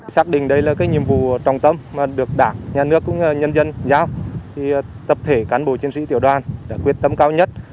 xác định đây là nhiệm vụ trọng tâm được đảng nhà nước nhân dân giao tập thể cán bộ chiến sĩ tiểu đoàn quyết tâm cao nhất